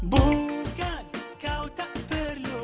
bukan kau tak perlu